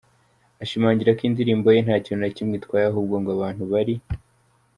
ashimangira ko indirimbo ye ntakintu na kimwe itwaye ahubwo ngo abantu bari.